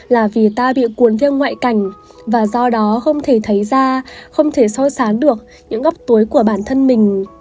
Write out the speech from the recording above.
là vì ta bị cuốn theo ngoại cảnh và do đó không thể thấy ra không thể soi sán được những góc túi của bản thân mình